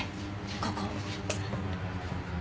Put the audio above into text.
ここ。